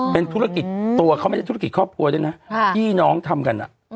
เป็นธุรกิจตัวเขาไม่ได้ธุรกิจครอบครัวด้วยนะพี่น้องทำกัน